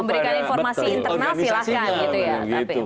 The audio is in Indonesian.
memberikan informasi internal silahkan